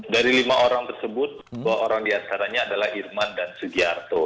dari lima orang tersebut dua orang diantaranya adalah irman dan sugiarto